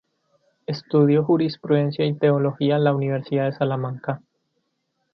Estudió jurisprudencia y teología en la universidad de Salamanca.